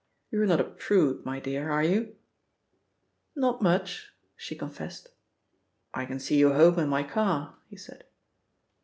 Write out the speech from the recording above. You're not a prude, my dear, are you?" "Not much," she confessed. "I can see you home in my car," he said.